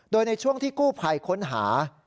โดยในช่วงที่กู้ภัยค้นหา